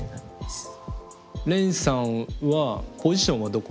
ｒｅｎさんはポジションはどこ？